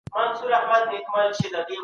څوک د حافظې د پیاوړتیا لارې پېژني؟